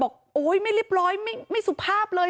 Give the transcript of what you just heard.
โอ๊ยไม่เรียบร้อยไม่สุภาพเลย